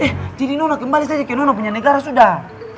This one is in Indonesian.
eh jadi nona kembali saja ke nono punya negara sudah